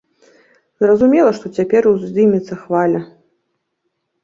Зразумела, што цяпер уздымецца хваля.